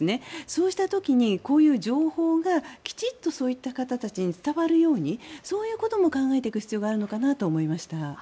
そうした時にこういう情報がきちんとそういう方たちに伝わるようにそういうことも考えていく必要があるのかなと思いました。